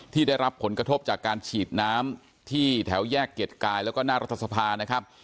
ได้รับผลกระทบจากการฉีดน้ำที่แถวแยกเกียรติกายแล้วก็หน้ารัฐสภานะครับ